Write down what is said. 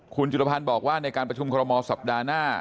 คุณจุรพันธ์บอกว่าในการประชุมคอรมอลสัปดาห์หน้า